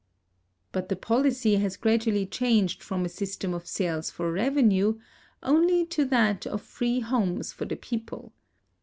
But the policy has gradually changed from a system of sales for revenue only to that of free homes for the people.